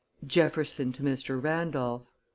Jefferson to Mr. Randolph.